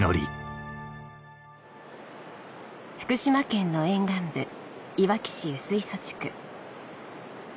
福島県の沿岸部いわき市薄磯地区